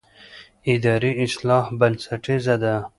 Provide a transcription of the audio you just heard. اداري اصلاح بنسټیزه ده